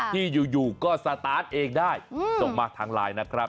ที่อยู่ก็สตาร์ทเองได้ส่งมาทางไลน์นะครับ